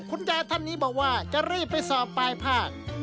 ท่านนี้บอกว่าจะรีบไปสอบปลายภาค